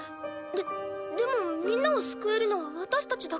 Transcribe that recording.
ででもみんなを救えるのは私たちだけだって。